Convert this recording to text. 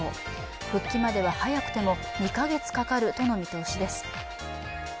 復帰までは早くても２か月かかるとの見通しです。